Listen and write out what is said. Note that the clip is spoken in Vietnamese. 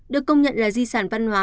được công nhận là di sản văn hóa